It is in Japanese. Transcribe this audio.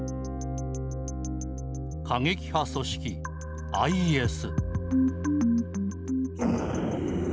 過激派組織ＩＳ。